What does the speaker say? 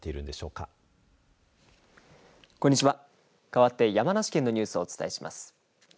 かわって山梨県のニュースをお伝えします。